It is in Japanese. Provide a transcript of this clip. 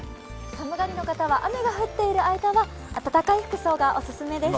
寒がりの方は雨が降っている間は暖かい服装がオススメです。